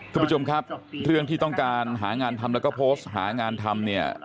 คุณผู้ชมครับเรื่องที่ต้องการหางานทำแล้วก็โพสต์หางานทำเนี่ย